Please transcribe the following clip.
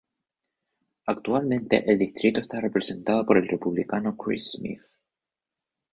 Actualmente el distrito está representado por el Republicano Chris Smith.